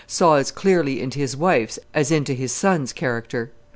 saw as clearly into his wife's as into his son's character.